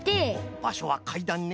ばしょはかいだんね。